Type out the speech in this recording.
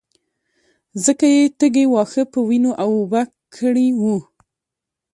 ځکه يې تږي واښه په وينو اوبه کړي وو.